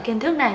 kiến thức này